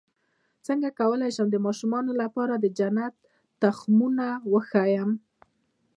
څنګه کولی شم د ماشومانو لپاره د جنت تختونه وښایم